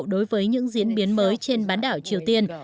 đối với những diễn biến mới trên bán đảo triều tiên